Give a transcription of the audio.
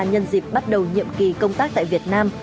nhân dịp bắt đầu nhiệm kỳ công tác tại việt nam